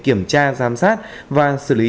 kiểm tra giám sát và xử lý